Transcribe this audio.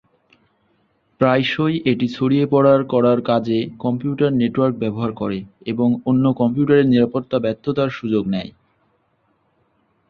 প্রায়শই এটি ছড়িয়ে পড়ার করার কাজে কম্পিউটার নেটওয়ার্ক ব্যবহার করে এবং অন্য কম্পিউটারের নিরাপত্তা ব্যর্থতার সুযোগ নেয়।